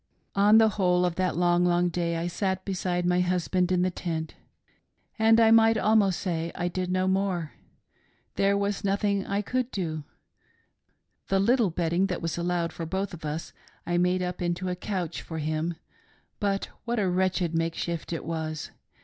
" The whole gi that long, long day I sat beside my husband in the tent — and I might almost say I did no more. There was nothing that I could do. The little bedding that was al lowed for both of us I made up into a couch for him ; but what a wretched make shift it was